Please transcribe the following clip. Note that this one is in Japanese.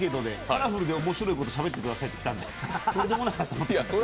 カラフルで面白いことしゃべってくださいって来たので。